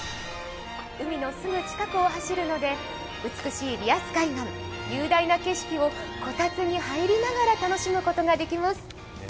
海のすぐ近くを走るので美しいリアス海岸、雄大な景色をこたつに入りながら楽しむことができます。